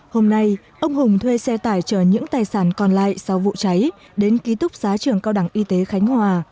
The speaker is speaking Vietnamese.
hôm nay ông hùng thuê xe tải chờ những tài sản còn lại sau vụ cháy đến ký túc xá trường cao đẳng y tế khánh hòa